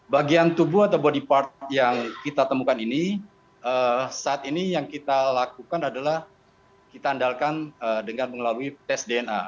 bagian tubuh atau body part yang kita temukan ini saat ini yang kita lakukan adalah kita andalkan dengan mengalami tes dna